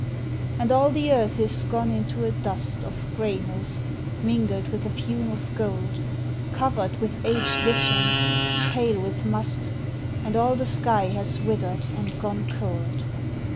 And all the earth is gone into a dust Of greyness mingled with a fume of gold, Covered with aged lichens, pale with must, And all the sky has withered and gone cold.